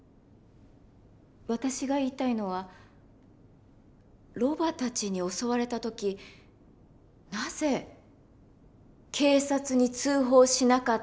私が言いたいのはロバたちに襲われた時なぜ警察に通報しなかったのかという事です。